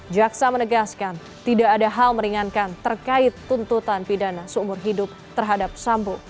jaksa menegaskan tidak ada hal meringankan terkait tuntutan pidana seumur hidup terhadap sambo